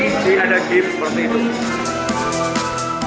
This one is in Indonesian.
ini ada game seperti itu